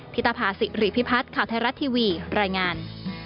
ิตภาษิริพิพัฒน์ข่าวไทยรัฐทีวีรายงาน